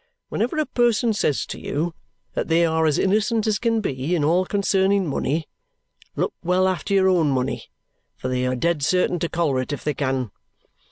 Whenever a person says to you that they are as innocent as can be in all concerning money, look well after your own money, for they are dead certain to collar it if they can.